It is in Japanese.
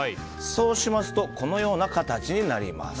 そうしますとこのような形になります。